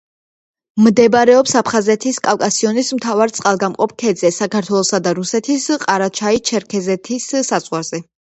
მდებარეობს აფხაზეთის კავკასიონის მთავარ წყალგამყოფ ქედზე, საქართველოსა და რუსეთის ყარაჩაი-ჩერქეზეთის საზღვარზე.